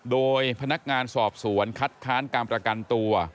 โดยพนักงานสอบสวนคัดค้านการประกันตัว